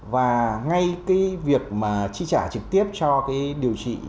và ngay cái việc mà chi trả trực tiếp cho cái điều trị